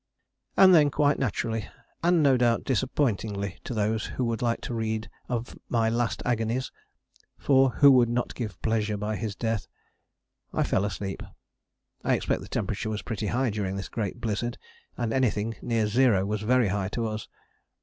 And then quite naturally and no doubt disappointingly to those who would like to read of my last agonies (for who would not give pleasure by his death?) I fell asleep. I expect the temperature was pretty high during this great blizzard, and anything near zero was very high to us.